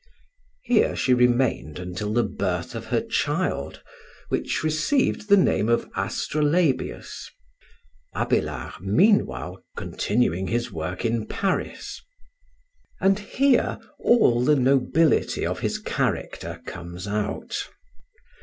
Here she remained until the birth of her child, which received the name of Astralabius, Abélard meanwhile continuing his work in Paris. And here all the nobility of his character comes out.